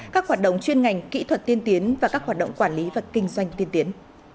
các hoạt động chuyên ngành kỹ thuật tiên tiến và các hoạt động quản lý và kinh doanh tiên tiến